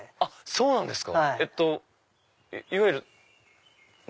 そうなんですか！